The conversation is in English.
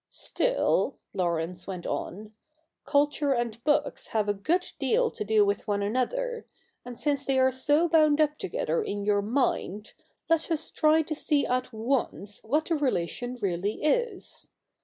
' Still,' Laurence went on, ' culture and books have a good deal to do with one another ; and since they are so bound up together in your mind, let us try to see at once what the relation really is.